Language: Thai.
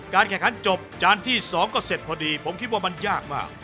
แข่งขันจบจานที่๒ก็เสร็จพอดีผมคิดว่ามันยากมาก